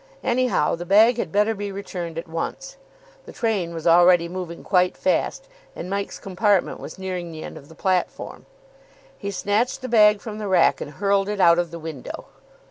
Anyhow, the bag had better be returned at once. The trainwas already moving quite fast, and Mike's compartment was nearing the end of the platform. He snatched the bag from the rack and hurled it out of the window.